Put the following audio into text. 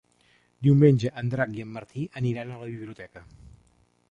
Diumenge en Drac i en Martí aniran a la biblioteca.